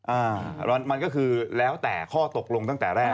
อ่ามันก็คือแล้วแต่ข้อตกลงตั้งแต่แรก